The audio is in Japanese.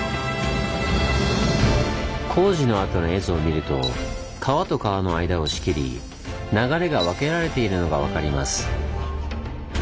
工事のあとの絵図を見ると川と川の間を仕切り流れが分けられているのが分かります。